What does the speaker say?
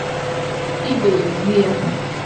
ibè ezi ya